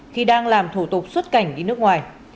khi đang làm thủ tục xuất cảnh đi nước ngoài